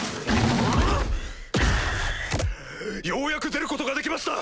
ようやく出ることができました！